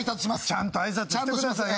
ちゃんと挨拶してくださいよ。